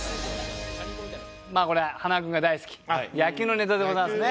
まあこれ塙君が大好き野球のネタでございますね。